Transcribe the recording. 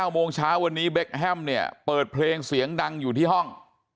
โมงเช้าวันนี้เบคแฮมเนี่ยเปิดเพลงเสียงดังอยู่ที่ห้อง